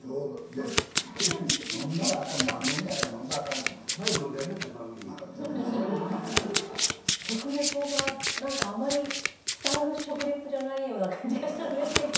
いや食リポがなんかあまり伝わる食リポじゃないような感じがしたんですけど。